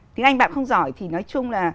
tiếng anh bạn không giỏi thì nói chung là